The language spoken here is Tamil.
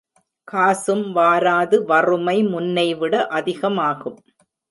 காசும் வாராது வறுமை முன்னைவிட அதிகமாகும்.